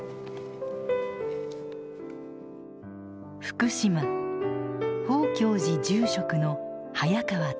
福島宝鏡寺住職の早川篤雄さん。